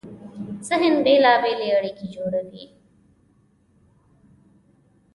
ذهن بېلابېلې اړیکې جوړوي.